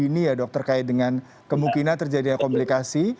sidi ini ya dokter kait dengan kemungkinan terjadinya komplikasi